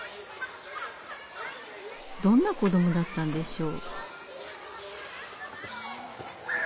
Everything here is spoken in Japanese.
どんな子どもだったんでしょう。